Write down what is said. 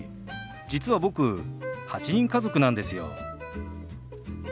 実は僕８人家族なんですよ。